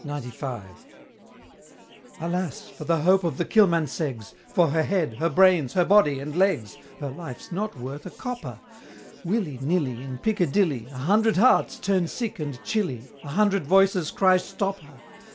XCV. Alas! for the hope of the Kilmanseggs! For her head, her brains, her body, and legs, Her life's not worth a copper! Willy nilly, In Piccadilly, A hundred hearts turn sick and chilly, A hundred voices cry, "Stop her!"